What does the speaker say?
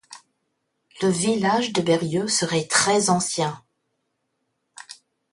Le village de Berrieux serait très ancien.